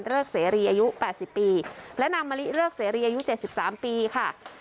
เสรีอายุ๘๐ปีและนางมะลิเริกเสรีอายุ๗๓ปีค่ะ